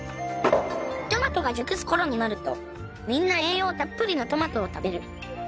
トマトが熟す頃になるとみんな栄養たっぷりのトマトを食べる